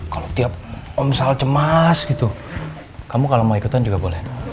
kalau tiap omset cemas gitu kamu kalau mau ikutan juga boleh